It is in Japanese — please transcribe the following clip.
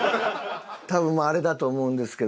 多分あれだと思うんですけど。